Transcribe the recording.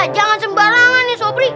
jangan sembarangan sobri